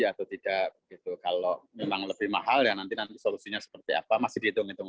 atau tidak gitu kalau memang lebih mahal ya nanti nanti solusinya seperti apa masih dihitung hitung